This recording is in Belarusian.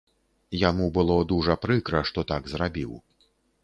Яму было дужа прыкра, што так зрабіў.